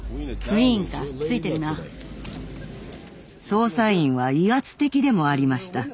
捜査員は威圧的でもありました。